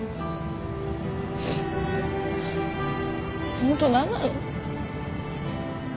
ホント何なの？